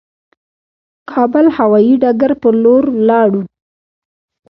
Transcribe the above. کابل هوايي ډګر پر لور ولاړو.